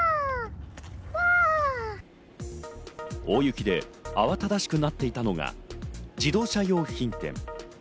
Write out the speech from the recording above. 大雪で慌ただしくなっていたのが自動車用品店。